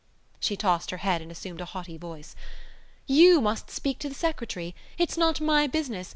She tossed her head and assumed a haughty voice: "You must speak to the secretary. It's not my business.